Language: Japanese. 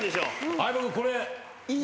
相葉君これ。